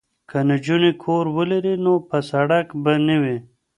که نجونې کور ولري نو په سړک به نه وي.